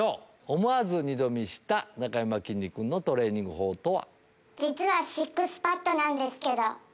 思わず二度見したなかやまきんに君のトレーニング法とは？